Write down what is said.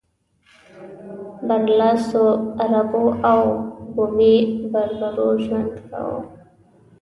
برلاسو عربو او بومي بربرو ژوند کاوه.